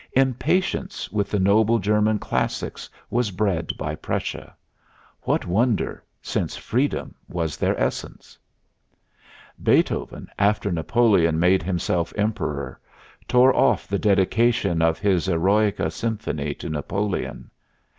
Impatience with the noble German classics was bred by Prussia. What wonder, since freedom was their essence? Beethoven, after Napoleon made himself Emperor, tore off the dedication of his "Eroica" symphony to Napoleon.